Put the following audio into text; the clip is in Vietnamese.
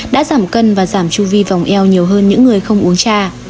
đã giảm cân và giảm chu vi vòng eo nhiều hơn những người không uống cha